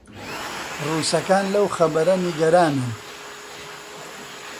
ڕووسەکان لەو خەبەرە نیگەرانن